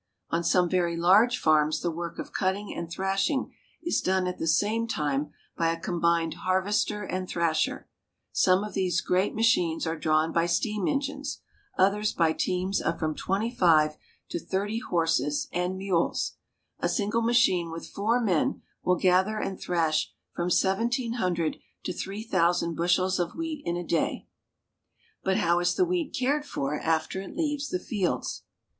On some very large farms the work of cutting and thrash ing is done at the same time by a combined harvester and thrasher. Some of these great machines are drawn by steam engines; others by teams of from twenty five to CARP. N. AM. — II i68 THE NORTHWEST. Combined Harvester and Thrasher. thirty horses and mules. A single machine with four men will gather and thrash from seventeen hundred to three thousand bushels of wheat in a day. But how is the wheat cared for after it leaves the fields